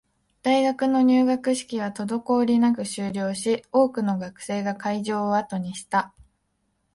大学の入学式は滞りなく終了し、多くの学生が会場を後にした